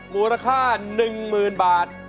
มูลค่า๑๐๐๐บาท